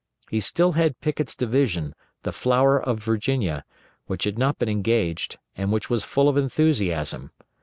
He still had Pickett's division, the flower of Virginia, which had not been engaged, and which was full of enthusiasm.